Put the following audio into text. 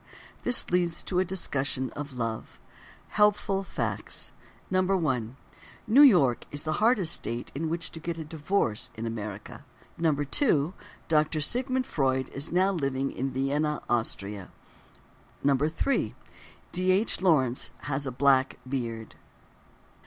This leads to a discussion of: Love. Helpful Facts: 1. New York is the hardest state in which to get a divorce in America. 2. Dr. Sigmund Freud is now living in Vienna, Austria. 3. D. H. Lawrence has a black beard.